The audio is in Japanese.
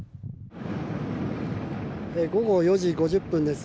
午後４時５０分です。